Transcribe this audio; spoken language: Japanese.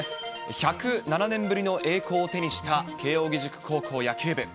１０７年ぶりの栄光を手にした慶応義塾高校野球部。